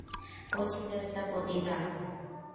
ও ছিল একটা পতিতা।